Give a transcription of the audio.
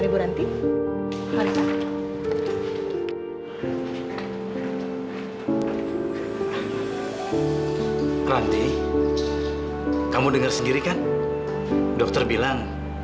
bu ranti doug